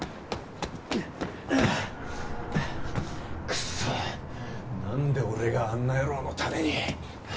クソなんで俺があんな野郎のために。